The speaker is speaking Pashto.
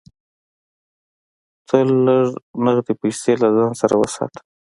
تل لږ نغدې پیسې له ځان سره وساته.